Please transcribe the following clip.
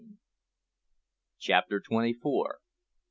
CHAPTER TWENTY FOUR.